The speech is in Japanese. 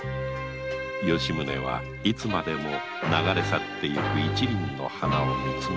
吉宗はいつまでも流れ去っていく一輪の花を見つめていた